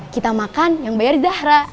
kita makan yang bayar zahra